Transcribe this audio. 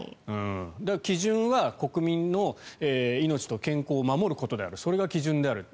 基準は国民の命と健康を守ることであるそれが基準であると。